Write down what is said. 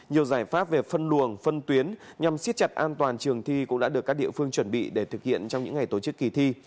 nhiều giải pháp về phân luồng phân tuyến nhằm siết chặt an toàn trường thi cũng đã được các địa phương chuẩn bị để thực hiện trong những ngày tổ chức kỳ thi